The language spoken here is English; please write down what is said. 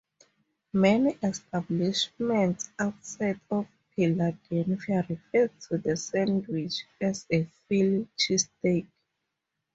Many establishments outside of Philadelphia refer to the sandwich as a Philly cheesesteak.